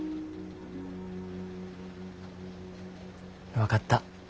分かった。